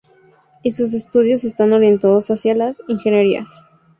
Y sus estudios están orientados hacia las ingenierías.